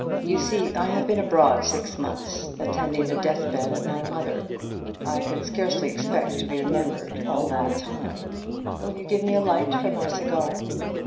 You see, I have been abroad six months attending the deathbed of my mother. I could scarcely expect to be remembered all that time. Will you give me a light for my cigar?"